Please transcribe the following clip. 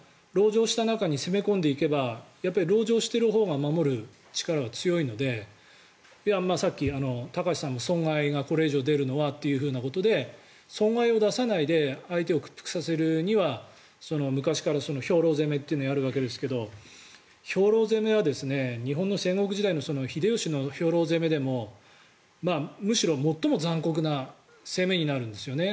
籠城した中に攻め込んでいけばやっぱり籠城しているほうが守る力が強いのでさっき高橋さんの損害がこれ以上出るのはっていうので損害を出さないで相手を屈服させるには昔から兵糧攻めってのをやるわけですが兵糧攻めは日本の戦国時代の秀吉の兵糧攻めでもむしろ最も残酷な攻めになるんですよね。